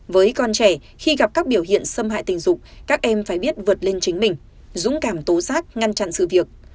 với con trẻ khi gặp các biểu hiện xâm hại tình dục các em phải biết vượt lên chính mình dũng cảm tố giác ngăn chặn sự việc